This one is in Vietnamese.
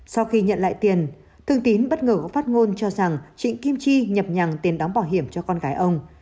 sau khi nhận lại tiền thương tín bất ngờ có phát ngôn cho rằng trịnh kim chi nhập nhằng tiền đóng bảo hiểm cho con gái ông